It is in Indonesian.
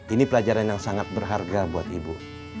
ini pelajaran yang sangat berharga buat ibu